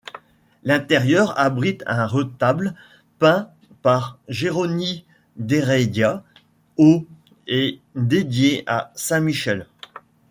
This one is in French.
L'intérieur abrite un retable peint par Jeroni d'Heredia au et dédié à saint Michel.